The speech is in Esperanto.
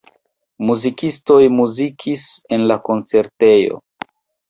Muzikistoj muzikis en la koncertejo.